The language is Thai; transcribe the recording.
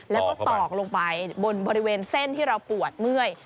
แล้วก็ตอกลงไปบนบริเวณเส้นที่เราปวดเมื่อย